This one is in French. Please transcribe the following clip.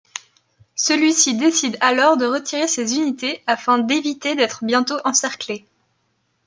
Celui-ci décide alors de retirer ses unités afin d'éviter d'être bientôt encerclé.